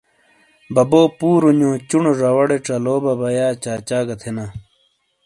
ببو پُورونیو چُنو زواڑے ژالو ببا یا چاچا گہ تھینا۔